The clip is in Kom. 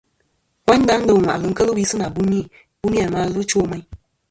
Wayndà dô ŋwàʼlɨ keli wi si na buni a ma ɨlvɨ ɨ chow meyn.